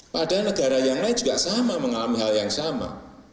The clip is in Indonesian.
padahal negara yang lain juga sama mengalami hal yang sama